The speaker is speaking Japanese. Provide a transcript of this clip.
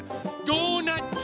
ドーナツ！